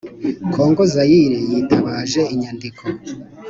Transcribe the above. Congo Zaire yitabaje inyandiko